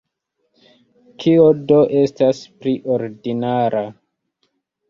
Kio do estas pli ordinara?